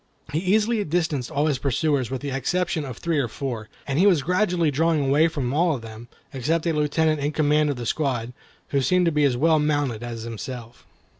He easily distanced all his pursuers with the exception of three or four, and he was gradually drawing away from all of them, except a lieutenant in command of the squad, who seemed to be as well mounted as himself.